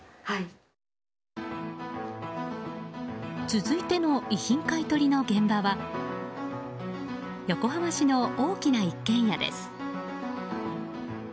続いての遺品買い取りの現場は横浜市の大きな一軒家です。